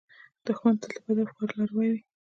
دښمن تل د بدو افکارو لاروي وي